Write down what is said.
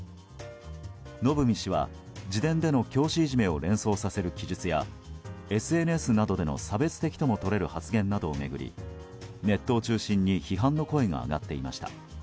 のぶみ氏は、自伝での教師いじめを連想させる記述やＳＮＳなどでの差別的ともとれる発言を巡りネットを中心に批判の声が上がっていました。